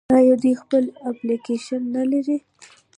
آیا دوی خپل اپلیکیشنونه نلري؟